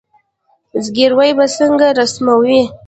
زګیروي به څنګه رسموي